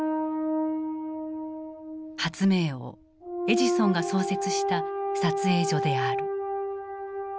発明王エジソンが創設した撮影所である。